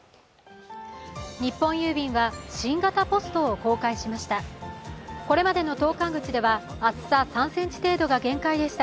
日本郵便は、新型ポストを公開しました。